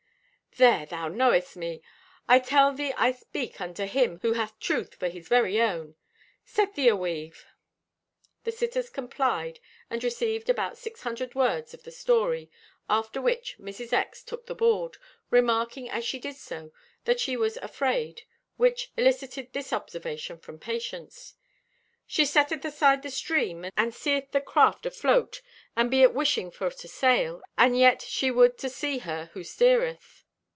"There, thou knowest me. I tell thee I speak unto him who hath truth for his very own. Set thee aweave." The sitters complied and received about six hundred words of the story, after which Mrs. X. took the board, remarking as she did so that she was afraid, which elicited this observation from Patience: "She setteth aside the stream and seeth the craft afloat and be at wishing for to sail, and yet she would to see her who steereth."